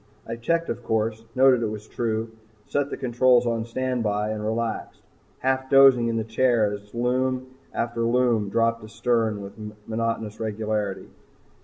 I checked the course, noted it was true, set the controls on standby and relaxed, half dozing in the chair as Lume after Lume dropped astern with monotonous regularity.